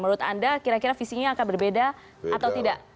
menurut anda kira kira visinya akan berbeda atau tidak